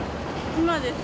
今です。